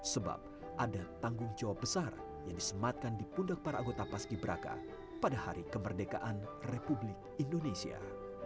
sebab ada tanggung jawab besar yang disematkan di pundak para anggota paski beraka pada hari kemerdekaan republik indonesia